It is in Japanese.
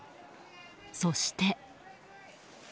そして。